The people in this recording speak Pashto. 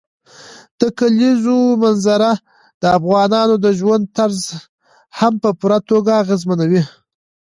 د کلیزو منظره د افغانانو د ژوند طرز هم په پوره توګه اغېزمنوي.